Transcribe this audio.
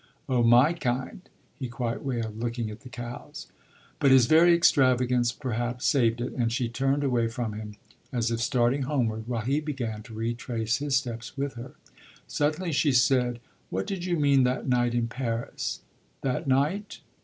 "Oh my kind!" he quite wailed, looking at the cows. But his very extravagance perhaps saved it, and she turned away from him as if starting homeward, while he began to retrace his steps with her. Suddenly she said: "What did you mean that night in Paris?" "That night